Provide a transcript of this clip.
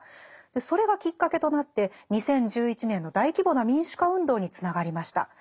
それがきっかけとなって２０１１年の大規模な民主化運動につながりました。